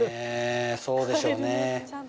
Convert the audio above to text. そうでしょうね。